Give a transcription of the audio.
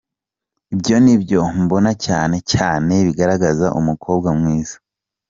Ibyo nibyo mbona cyane cyane bigaragaza umukobwa mwiza.